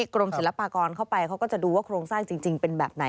กรมศิลปากรเข้าไปเขาก็จะดูว่าโครงสร้างจริงเป็นแบบไหน